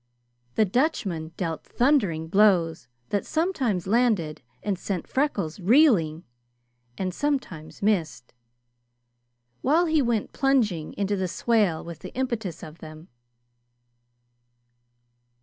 The Dutchman dealt thundering blows that sometimes landed and sent Freckles reeling, and sometimes missed, while he went plunging into the swale with the impetus of them.